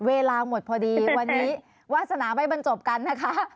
เวลาหมดพอดีวันนี้วาสนาไม่บรรจบกันนะคะ